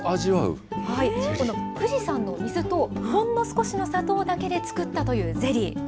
富士山の水とほんの少しの砂糖だけで作ったというゼリー。